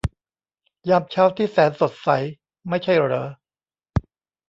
ยามเช้าที่แสนสดใส ไม่ใช่เหรอ